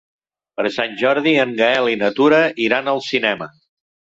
Per Sant Jordi en Gaël i na Tura iran al cinema.